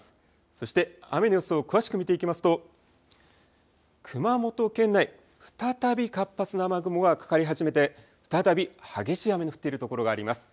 そして雨の予想、詳しく見ていきますと熊本県内、再び活発な雨雲がかかり始めて再び激しい雨の降っている所があります。